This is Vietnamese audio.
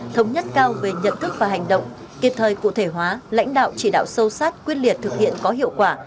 thống nhất cao về nhận thức và hành động kịp thời cụ thể hóa lãnh đạo chỉ đạo sâu sát quyết liệt thực hiện có hiệu quả